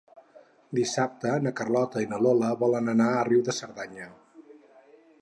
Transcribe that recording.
Dissabte na Carlota i na Lola volen anar a Riu de Cerdanya.